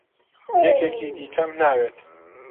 یەکێکی دیکەم ناوێت.